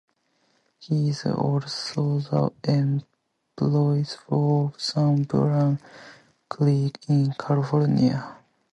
He is also the eponym for San Bruno Creek in California.